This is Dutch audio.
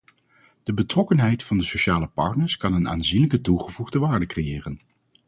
De betrokkenheid van de sociale partners kan een aanzienlijke toegevoegde waarde creëren.